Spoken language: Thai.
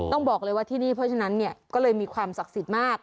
ต้องบอกเลยว่าที่นี่เพราะฉะนั้นเนี่ยก็เลยมีความศักดิ์สิทธิ์มาก